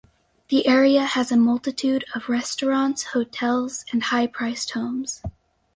The area has a multitude of restaurants, hotels and high-priced homes.